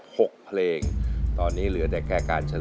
หกเพลงตอนนี้เหลือแต่แค่การชนะ